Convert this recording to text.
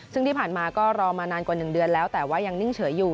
ซึ่งที่ผ่านมาก็รอมานานกว่า๑เดือนแล้วแต่ว่ายังนิ่งเฉยอยู่